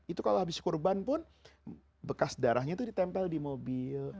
itu kalau habis kurban pun bekas darahnya itu ditempel di mobil